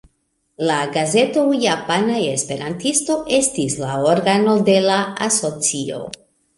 La gazeto Japana Esperantisto estis la organo de la asocio.